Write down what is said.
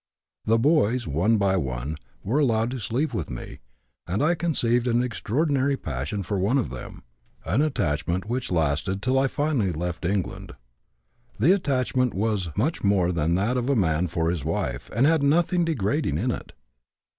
The boys, one by one, were allowed to sleep with me and I conceived an extraordinary passion for one of them, an attachment which lasted till I finally left England. The attachment was much more that of a man for his wife and had nothing degrading in it.